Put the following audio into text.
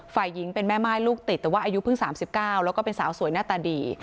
ฝ่ายหญิงเป็นแม่ม่ายลูกติดแต่ว่าอายุเพิ่ง๓๙แล้วก็เป็นสาวสวยหน้าตาดี